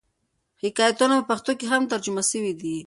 حکایتونه په پښتو کښي هم ترجمه سوي دي.